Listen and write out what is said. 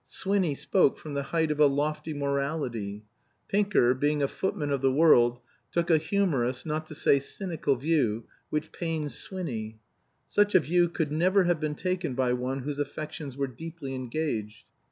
Swinny spoke from the height of a lofty morality; Pinker, being a footman of the world, took a humorous, not to say cynical view, which pained Swinny. Such a view could never have been taken by one whose affections were deeply engaged.